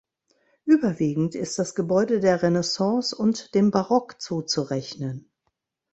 Überwiegend ist das Gebäude der Renaissance und dem Barock zuzurechnen.